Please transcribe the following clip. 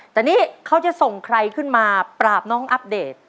แต่นี่เขาจะส่งใครขึ้นมาปราบน้องอัปเดต